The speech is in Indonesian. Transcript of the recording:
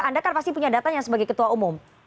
anda kan pasti punya datanya sebagai ketua umum